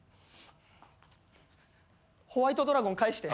ホワイトドラゴン返して。